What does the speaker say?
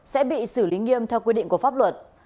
sẽ bị xử lý nghiêm theo quy định của pháp luật